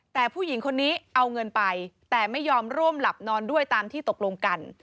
แต่ผู้หญิงคนนี้เอาเงินไปแต่ไม่ยอมร่วมหลับนอนด้วยตามที่ตกลงกัน